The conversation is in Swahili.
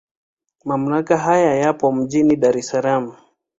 Mamlaka haya yapo mjini Dar es Salaam.